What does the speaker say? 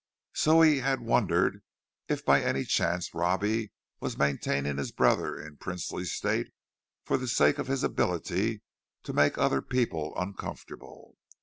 So he had wondered if by any chance Robbie was maintaining his brother in princely state for the sake of his ability to make other people uncomfortable.